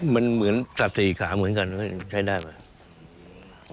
มันเหมือนสัตว์สี่ขาเหมือนกันใช้ได้ไหม